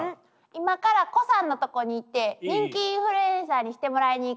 今から胡さんのとこに行って人気インフルエンサーにしてもらいに行く。